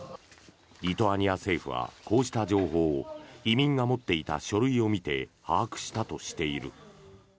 リトアニア政府はこうした情報を移民が持っていた書類を見て把握したとしている。